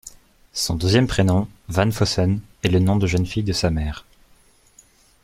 Son deuxième prénom, Vanfossen, est le nom de jeune fille de sa mère.